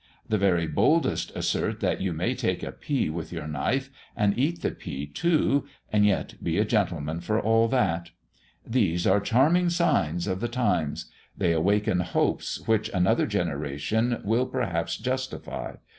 The very boldest assert that you may take a pea with your knife, and eat the pea too, and yet be a gentleman for all that. These are charming signs of the times; they awaken hopes which another generation will perhaps justify.